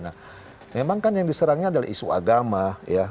nah memang kan yang diserangnya adalah isu agama ya